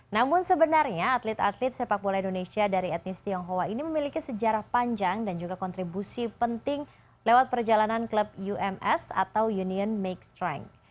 namun sebenarnya atlet atlet sepak bola indonesia dari etnis tionghoa ini memiliki sejarah panjang dan juga kontribusi penting lewat perjalanan klub ums atau union make strength